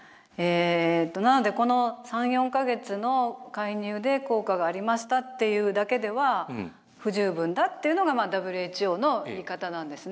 なのでこの３４か月の介入で効果がありましたっていうだけでは不十分だっていうのがＷＨＯのいい方なんですね。